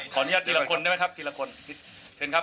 ขออนุญาตทีละคนได้มั้ยครับ